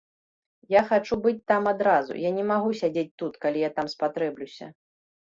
Я хачу быць там адразу, я не магу сядзець тут, калі я там спатрэблюся.